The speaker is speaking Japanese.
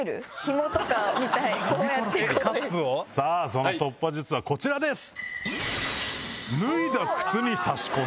その突破術はこちらです。